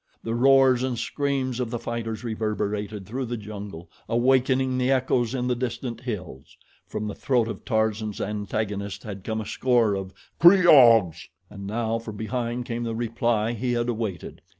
The roars and screams of the fighters reverberated through the jungle, awakening the echoes in the distant hills. From the throat of Tarzan's antagonist had come a score of "Kreeg ahs!" and now from behind came the reply he had awaited.